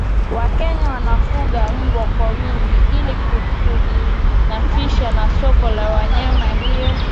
wakenya wanafuga mbwa kwa wingi ili kujinufaisha na soko la nyama hiyo